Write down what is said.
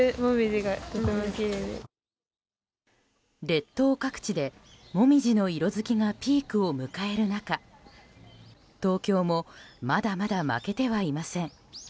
列島各地でモミジの色づきがピークを迎える中東京もまだまだ負けてはいません。